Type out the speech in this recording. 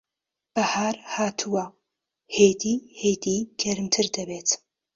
بەھار ھاتووە. ھێدی ھێدی گەرمتر دەبێت.